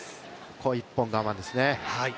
ここ１本我慢ですね。